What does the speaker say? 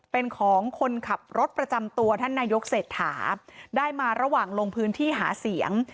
เป็นของคนขับรถประจำตัวท่านนายกเศรษฐาได้มาระหว่างลงพื้นที่หาเสียง